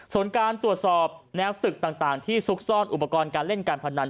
ส่วนการตรวจสอบแนวตึกต่างที่ซุกซ่อนอุปกรณ์การเล่นการพนัน